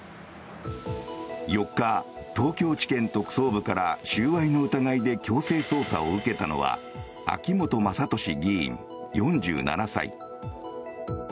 ４日、東京地検特捜部から収賄の疑いで強制捜査を受けたのは秋本真利議員、４７歳。